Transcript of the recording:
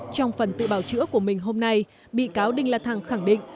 trong phần tự bảo chữa của mình hôm nay bị cáo đinh la thăng khẳng định